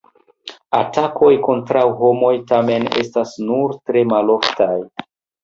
Atakoj kontraŭ homoj tamen estas nur tre maloftaj.